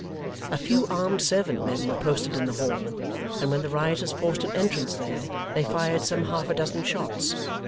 A few armed servant men were posted in the hall, and when the rioters forced an entrance there, they fired some half a dozen shots.